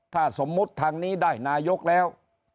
ถ้าสมมุติทางนี้ได้นายกแล้ว